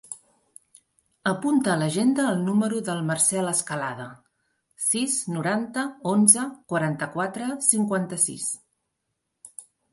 Apunta a l'agenda el número del Marcel Escalada: sis, noranta, onze, quaranta-quatre, cinquanta-sis.